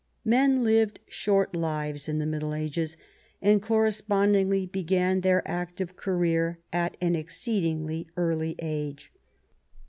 Men lived short lives in the Middle Ages, and corre spondingly began their active career at an exceedingly early age.